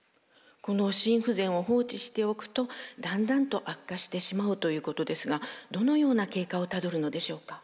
この心不全を放置しておくとだんだんと悪化してしまうということですがどのような経過をたどるのでしょうか？